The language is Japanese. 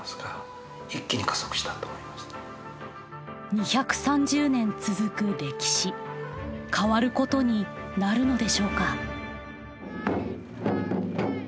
２３０年続く歴史変わることになるのでしょうか。